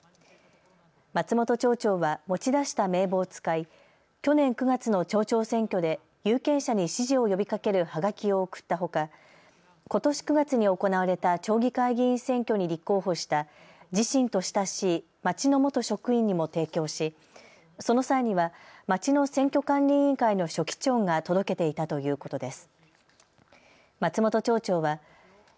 松本町長は持ち出した名簿を使い去年９月の町長選挙で有権者に支持を呼びかけるはがきを送ったほかことし９月に行われた町議会議員選挙に立候補した自身と親しい町の元職員にも提供し、その際には町の選挙管理委員会の書記長が届けていたということです。